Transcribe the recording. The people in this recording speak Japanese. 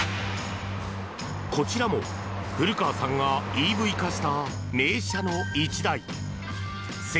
こちらも古川さんがＥＶ化した名車の１台。